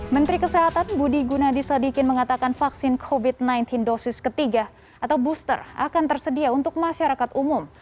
menteri kesehatan budi gunadisadikin mengatakan vaksin covid sembilan belas dosis ketiga atau booster akan tersedia untuk masyarakat umum